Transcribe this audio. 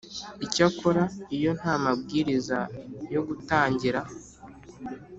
Icyakora iyo nta mabwiriza yo gutangira